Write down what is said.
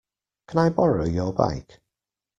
Can I borrow your bike?